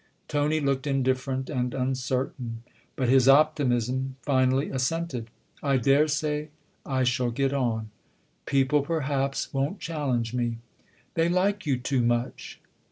Tony looked indifferent and uncertain ; but his optimism finally assented. " I daresay I shall get on. People perhaps won't challenge me." " They like you too much."